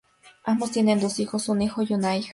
Ambos tienen dos hijos: un hijo y una hija.